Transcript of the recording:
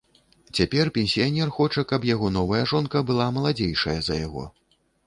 Цяпер пенсіянер хоча, каб яго новая жонка была маладзейшая за яго.